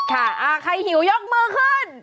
ค่ะใครหิวยอกเมอร์ขึ้น